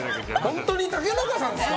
本当に竹中さんですか？